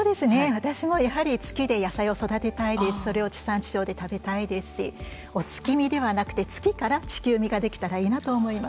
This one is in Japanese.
私もやはり月で野菜を育てたいですしそれを地産地消で食べたいですしお月見ではなくて月から地球見ができたらいいなと思います。